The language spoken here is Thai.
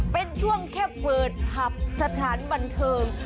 เป็นช่วงแค่เปิดผับสถานบันเทิง